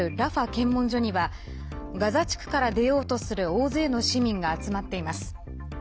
検問所にはガザ地区から出ようとする大勢の市民が集まっています。